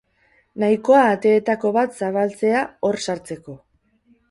Nahikoa ateetako bat zabaltzea hor sartzeko.